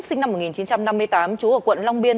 sinh năm một nghìn chín trăm năm mươi tám trú ở quận long biên